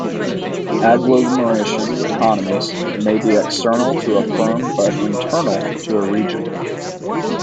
Agglomeration economies may be external to a firm but internal to a region.